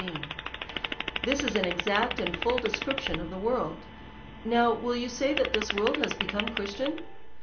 This is an exact and full description of the world. Now will you say, that this world is be come Christian